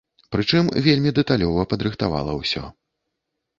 Прычым вельмі дэталёва падрыхтавала ўсё.